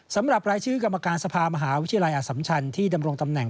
สำหรับรายชื่อกรรมการสภามหาวิทยาลัยอสัมชันที่ดำรงตำแหน่ง